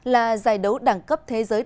là giải đấu đẳng cấp thế giới